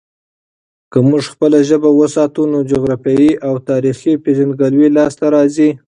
که موږ خپله ژبه وساتو، نو جغرافیايي او تاريخي پیژندګلوي لاسته راځي.